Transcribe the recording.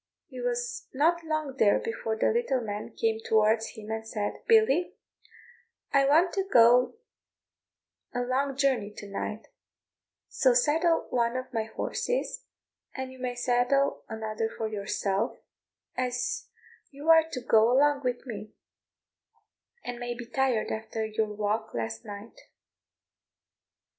He was not long there before the little man came towards him and said, "Billy, I want to go a long journey to night; so saddle one of my horses, and you may saddle another for yourself, as you are to go along with me, and may be tired after your walk last night."